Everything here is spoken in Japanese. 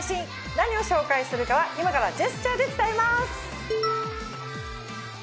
何を紹介するかは今からジェスチャーで伝えます！